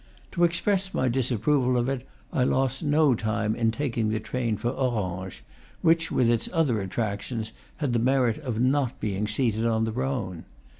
To express my disapproval of it, I lost no time in taking the train for Orange, which, with its other attractions, had the merit of not being seated on the Rhone.